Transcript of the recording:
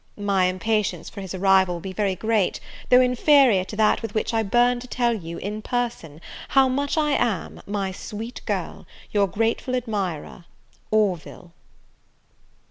My impatience for his arrival will be very great, though inferior to that with which I burn to tell you, in person, how much I am, my sweet girl, your grateful admirer, "ORVILLE."